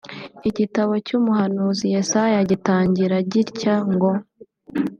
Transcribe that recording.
Igitabo cy’umuhanuzi Yesaya gitangira gitya ngo